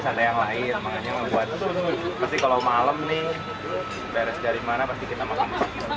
makanya kalau malam nih beres dari mana pasti kita makan